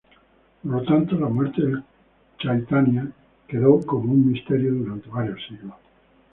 Por lo tanto la muerte del Chaitania quedó como un misterio durante varios siglos.